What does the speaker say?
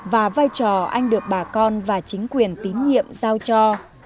và vai trò anh được bà con và chính quyền tín nhiệm giao cho